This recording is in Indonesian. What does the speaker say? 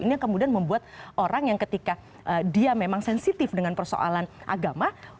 ini yang kemudian membuat orang yang ketika dia memang sensitif dengan persoalan agama